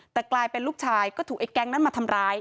แต่กลายเป็นลูกชายก็ถูกไอ้แก๊งนั้นมาทำร้าย